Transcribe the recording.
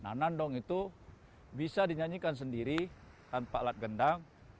nah nandong itu bisa dinyanyikan sendiri tanpa alat gendang